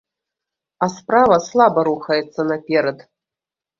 А справа слаба рухаецца наперад.